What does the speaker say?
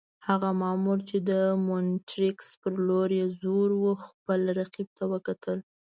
هغه مامور چې د مونټریکس پر لور یې زور وو، خپل رقیب ته وکتل.